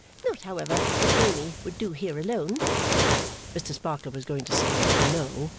Not, however, that Amy would do here alone.' Mr Sparkler was going to say 'No?